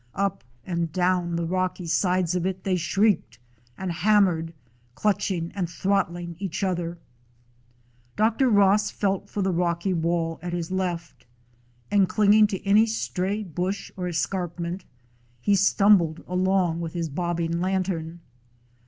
Up and down the rocky sides of it they shrieked and hammered, clutching and throt tling each other. Dr. Ross felt for the rocky wall at his left, and clinging to any stray bush or escarpment, he stumbled along with his bobbing lantern.